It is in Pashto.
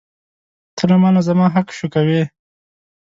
ته له مانه زما حق شوکوې.